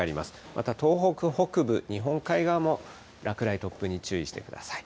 また東北北部、日本海側も落雷、突風に注意してください。